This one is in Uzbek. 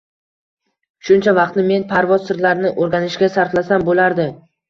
— Shuncha vaqtni men parvoz sirlarini o‘rganishga sarflasam bo‘lardi.